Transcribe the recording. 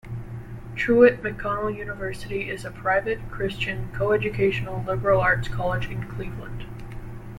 Truett McConnell University is a private, Christian, coeducational liberal arts college in Cleveland.